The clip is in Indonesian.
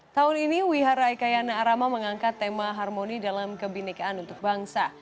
tahun ini wihara ikayana arama mengangkat tema harmoni dalam kebinekaan untuk bangsa